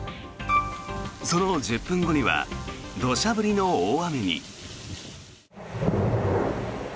その１０分後には土砂降りの大雨に。